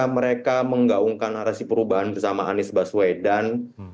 mereka menggaungkan narasi perubahan bersama anies baswedan